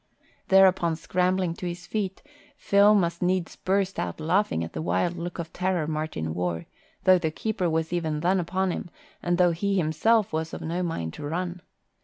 Thereupon scrambling to his feet, Phil must needs burst out laughing at the wild look of terror Martin wore, though the keeper was even then upon him and though he himself was of no mind to run.